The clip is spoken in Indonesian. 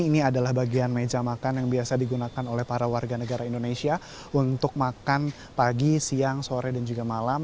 ini adalah bagian meja makan yang biasa digunakan oleh para warga negara indonesia untuk makan pagi siang sore dan juga malam